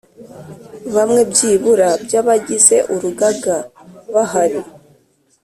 Bamwe byibura by abagize urugaga bahari